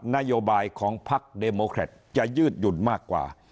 นโยบายของพักเดโมแครตจะยืดหยุ่นมากกว่า